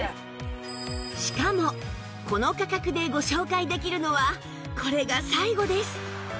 しかもこの価格でご紹介できるのはこれが最後です